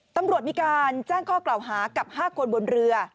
ตำรวจมีการแจ้งข้อกล่าวหากับ๕คนบนเรือ